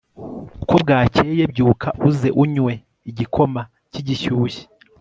ko bwakeye byuka uze unywe igikoma kigishyushye